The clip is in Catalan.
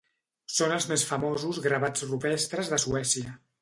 Són els més famosos gravats rupestres de Suècia.